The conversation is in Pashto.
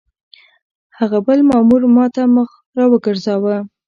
هغه بل مامور ما ته مخ را وګرځاوه.